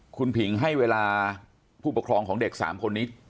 คุณผิงให้เวลาผู้ปกครองของเด็ก๓คนนี้